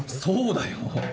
そうだよ！